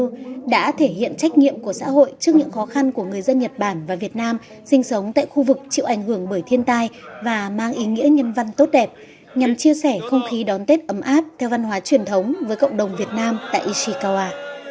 west đã thể hiện trách nhiệm của xã hội trước những khó khăn của người dân nhật bản và việt nam sinh sống tại khu vực chịu ảnh hưởng bởi thiên tai và mang ý nghĩa nhân văn tốt đẹp nhằm chia sẻ không khí đón tết ấm áp theo văn hóa truyền thống với cộng đồng việt nam tại ishikawa